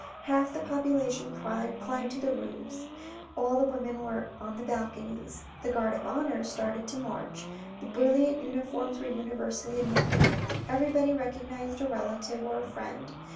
Half the population climbed on to the roofs. All the women were on the balconies. The guard of honour started to march, The brilliant uniforms were universally admired ; everybody recognised a relative or a friend.